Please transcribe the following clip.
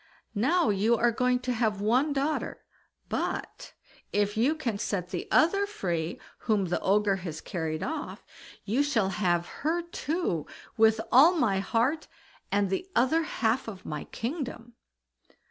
Now you are going to have one daughter, but if you can set the other free whom the Ogre has carried off, you shall have her too with all my heart, and the other half of my kingdom."